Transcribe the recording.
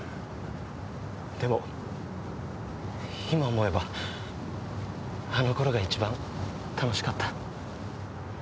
でも今思えばあの頃が一番楽しかった。